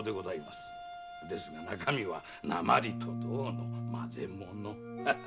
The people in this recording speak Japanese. ですが中身は鉛と銅の混ぜ物。